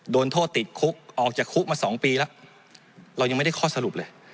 โดนโทษติดคุกออกจากคุกมา๒ปีแล้วเรายังไม่ได้ข้อสรุปเลย